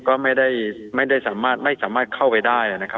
ก็ไม่ได้สามารถเข้าไปได้นะครับ